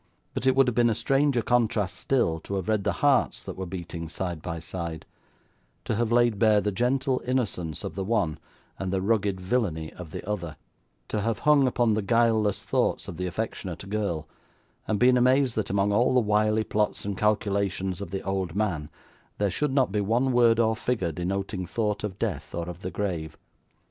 But, it would have been a stranger contrast still, to have read the hearts that were beating side by side; to have laid bare the gentle innocence of the one, and the rugged villainy of the other; to have hung upon the guileless thoughts of the affectionate girl, and been amazed that, among all the wily plots and calculations of the old man, there should not be one word or figure denoting thought of death or of the grave.